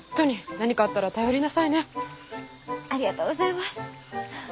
ありがとうございます。